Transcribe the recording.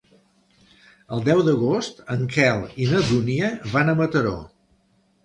El deu d'agost en Quel i na Dúnia van a Mataró.